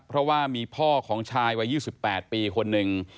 เพราะว่ามีพ่อของชายวัย๒๘ปีคนหนึ่ง